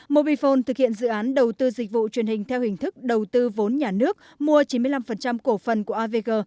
mobifone thực hiện dự án đầu tư dịch vụ truyền hình theo hình thức đầu tư vốn nhà nước mua chín mươi năm cổ phần của avg